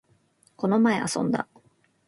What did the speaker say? この前、遊んだ